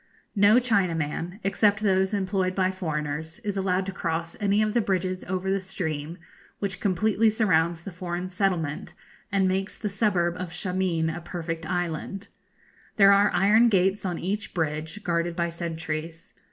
No Chinaman, except those employed by foreigners, is allowed to cross any of the bridges over the stream, which completely surrounds the foreign settlement, and makes the suburb of Shameen a perfect island. There are iron gates on each bridge, guarded by sentries.